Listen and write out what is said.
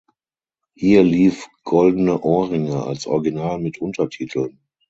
Hier lief "Goldene Ohrringe" als Original mit Untertiteln.